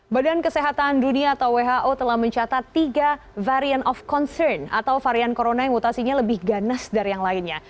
badan kesehatan dunia atau who telah mencatat tiga variant of concern atau varian corona yang mutasinya lebih ganas dari yang lainnya